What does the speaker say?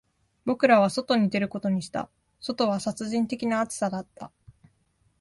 僕らは外に出ることにした、外は殺人的な暑さだった